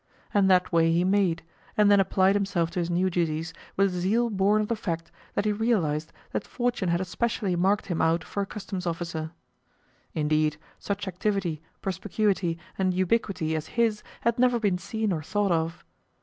And that way he made, and then applied himself to his new duties with a zeal born of the fact that he realised that fortune had specially marked him out for a Customs officer. Indeed, such activity, perspicuity, and ubiquity as his had never been seen or thought of.